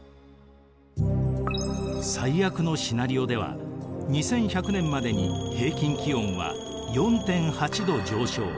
最悪のシナリオでは２１００年までに平均気温は４．８℃上昇。